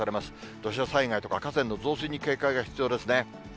土砂災害とか河川の増水に警戒が必要ですね。